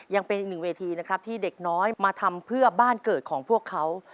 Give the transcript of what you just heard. ยังเป็นอีกหนึ่งเวทีนะครับที่เด็กน้อยมาทำเพื่อบ้านเกิดของพวกเขา